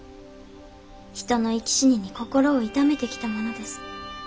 人の生き死にに心を痛めてきた者です。